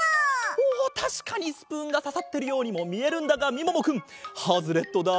おたしかにスプーンがささってるようにもみえるんだがみももくんハズレットだ。